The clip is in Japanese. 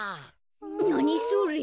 なにそれ。